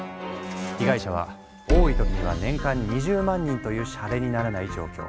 被害者は多いときには年間２０万人というシャレにならない状況。